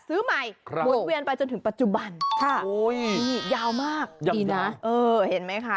ถึงปัจจุบันโอ้ยนี่ยาวมากดีนะเออเห็นไหมคะ